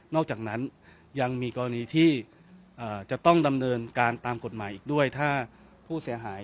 อกจากนั้นยังมีกรณีที่จะต้องดำเนินการตามกฎหมายอีกด้วยถ้าผู้เสียหาย